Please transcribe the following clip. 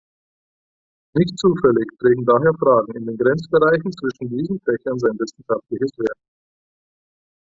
Nicht zufällig prägen daher Fragen in den Grenzbereichen zwischen diesen Fächern sein wissenschaftliches Werk.